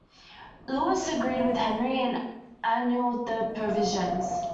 Louis agreed with Henry and annulled the provisions.